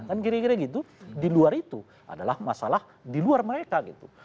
dan kira kira gitu di luar itu adalah masalah di luar mereka gitu